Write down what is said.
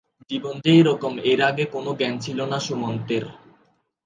জীবন যে এরকম এর আগে কোন জ্ঞান ছিল না সুমন্তের।